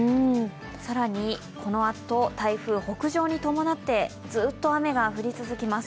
更に、このあと台風北上に伴ってずっと雨が降り続きます。